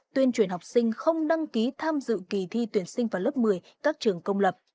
tuyên truyền học sinh không đăng ký tham dự kỳ thi tuyển sinh vào lớp một mươi các trường công lập